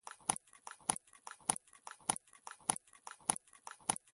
هندوکش د افغانانو د ګټورتیا برخه ده.